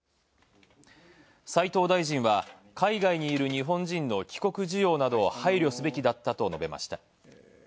斉藤大臣は「海外にいる日本人の帰国需要などを配慮すべきだった」と述べました。